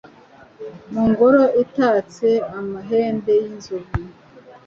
mu ngoro itatse amahembe y’inzovu